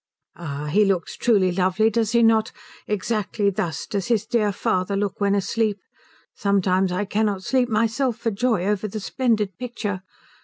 "Ah, he looks truly lovely, does he not. Exactly thus does his dear father look when asleep. Sometimes I cannot sleep myself for joy over the splendid picture.